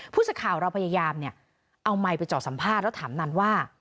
ผู้สื่อข่าวเราพยายามเอาไมค์ไปจอดสัมภาษณ์แล้วถามนันว่า